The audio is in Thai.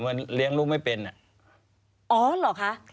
เหมือนเลี้ยงลูกไม่เป็นอ๋อหรอคะ